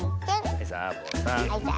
はいサボさん。